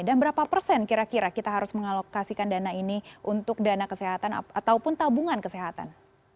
dan berapa persen kira kira kita harus mengalokasikan dana ini untuk dana kesehatan ataupun tabungan kesehatan